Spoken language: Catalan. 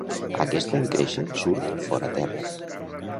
Aquesta, en créixer, surt fora terra.